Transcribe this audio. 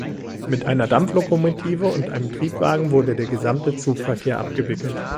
Mit einer Dampflokomotive und einem Triebwagen wurde der gesamte Zugverkehr abgewickelt.